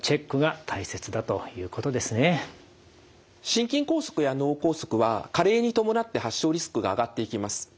心筋梗塞や脳梗塞は加齢に伴って発症リスクが上がっていきます。